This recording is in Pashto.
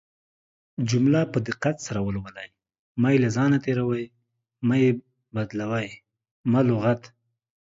جمله په دقت سره ولولٸ مه يې له ځانه تيروٸ، مه يې بدالوۍ، مه لغت